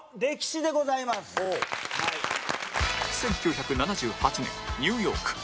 １９７８年ニューヨーク